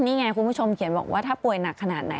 นี่ไงคุณผู้ชมเขียนบอกว่าถ้าป่วยหนักขนาดไหน